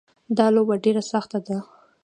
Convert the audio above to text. دا لوبه ډېره سخته ده